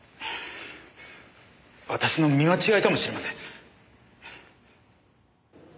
私の見間違いかもしれません。